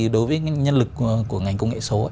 đối với nhân lực của ngành công nghệ số